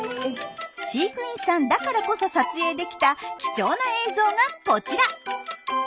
飼育員さんだからこそ撮影できた貴重な映像がこちら。